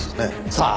さあ。